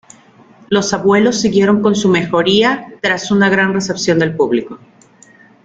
Los Abuelos siguieron con su mejoría tras una gran recepción del público.